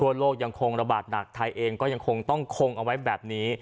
โลกยังคงระบาดหนักไทยเองก็ยังคงต้องคงเอาไว้แบบนี้